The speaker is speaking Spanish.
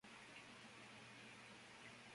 Martial Champion